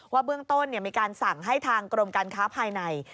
เบื้องต้นมีการสั่งให้ทางกรมการค้าภายใน